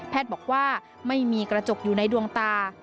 บอกว่าไม่มีกระจกอยู่ในดวงตา